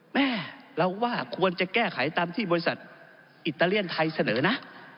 แม่เราว่าควรจะแก้ไขตามที่บริษัทอิตาเลียนไทยเสนอนะ